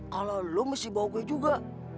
kalau lu masih bawa gue juga